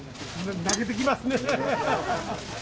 泣けてきますね。